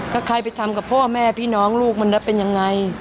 ถ้าใครไปทำกับพ่อแม่พี่น้องลูกมันจะเป็นยังไง